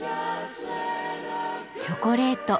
チョコレート。